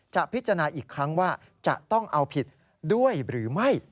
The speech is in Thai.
จะพิจารณาอีกครั้งว่าจะต้องเอาผิดด้วยหรือไม่